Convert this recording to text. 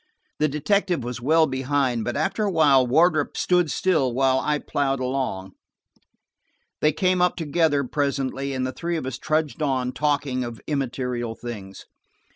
The detective was well behind, but after a while Wardrop stood still, while I plowed along. They came up together presently, and the three of us trudged on, talking of immaterial things.